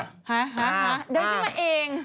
เดินขึ้นมาเอง